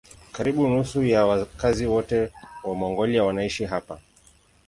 Karibu nusu ya wakazi wote wa Mongolia wanaishi hapa.